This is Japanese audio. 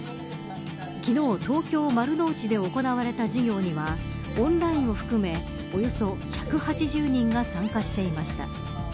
昨日、東京、丸の内で行われた授業にはオンラインを含めおよそ１８０人が参加していました。